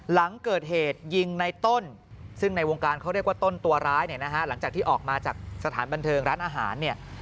หลังเกิดเหตุยิงในต้นซึ่งในวงการเขาเรียกว่าต้นตัวร้ายเนี่ยนะฮะหลังจากที่ออกมาจากสถานบันเทิงร้านอาหารเนี่ย